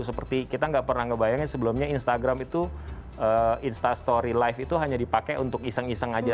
seperti kita nggak pernah ngebayangin sebelumnya instagram itu instastory life itu hanya dipakai untuk iseng iseng aja